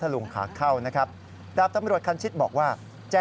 ดาบตำรวจคันชิดบอกว่า